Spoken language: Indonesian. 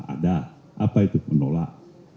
ada apa itu menolak